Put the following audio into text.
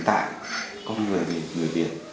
tại con người việt